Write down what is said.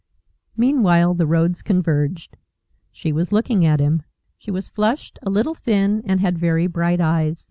Meanwhile the roads converged. She was looking at him. She was flushed, a little thin, and had very bright eyes.